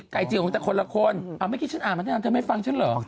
ไก่จริงของแต่คนละคนอ่าไม่คิดฉันอ่านมาด้วยนะเธอไม่ฟังฉันเหรอ